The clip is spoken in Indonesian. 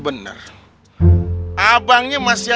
jangan dong mati